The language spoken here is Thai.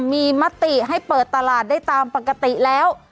มีมติให้เปิดตลาดได้ตามปกติแล้ว